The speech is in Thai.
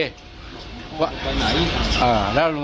ลูกน้าไปไหน